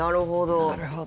なるほどね。